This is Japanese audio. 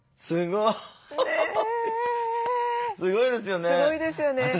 すごいですよね。